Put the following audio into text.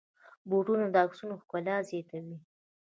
بوټونه د عکسونو ښکلا زیاتوي.